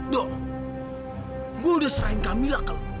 dok gua udah serahin camilla ke lo